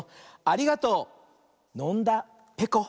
ありがとうのんだぺこ。